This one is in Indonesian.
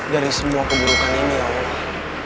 dari semua keburukan ini ya allah